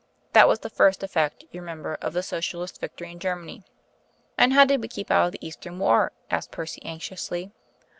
That was the first effect, you remember, of the Socialists' victory in Germany." "And how did we keep out of the Eastern War?" asked Percy anxiously.